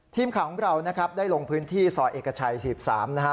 ทีมข่าวของเรานะครับได้ลงพื้นที่ซอยเอกชัย๑๓นะฮะ